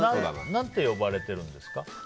何と呼ばれてるんですか？